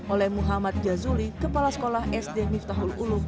oleh muhammad jazuli kepala sekolah sd miftahul uluh